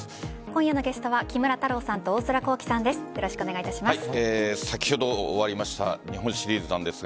今夜のゲストは木村太郎さんと大空幸星さんです。